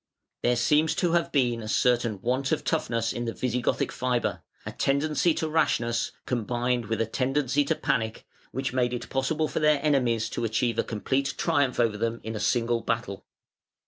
There seems to have been a certain want of toughness in the Visigothic fibre, a tendency to rashness combined with a tendency to panic, which made it possible for their enemies to achieve a complete triumph over them in a single battle.